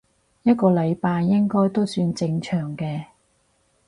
一個禮拜應該都算正常嘅